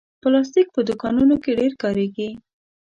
پلاستيک په دوکانونو کې ډېر کارېږي.